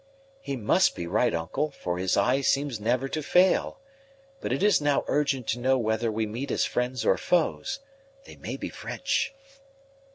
"He must be right, uncle; for his eye seems never to fail. But it is now urgent to know whether we meet as friends or foes. They may be French."